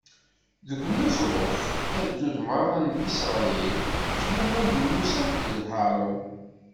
Deg uneẓruf, agdud meṛṛa n Isṛayil ttlummun di Musa akked Haṛun.